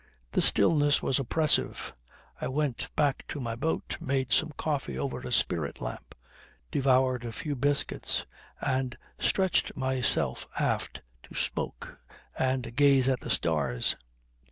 "The stillness was oppressive. I went back to my boat, made some coffee over a spirit lamp, devoured a few biscuits, and stretched myself aft, to smoke and gaze at the stars.